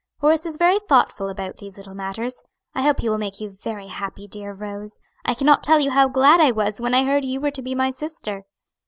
"Horace is very thoughtful about these little matters. I hope he will make you very happy, dear Rose. I cannot tell you how glad I was when I heard you were to be my sister."